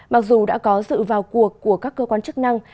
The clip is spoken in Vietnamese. mặc dù đã có sự vào cuộc của các cơ quan chức năng